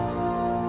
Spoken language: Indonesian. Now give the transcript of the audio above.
saya tidak tahu